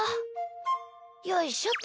よいしょっと！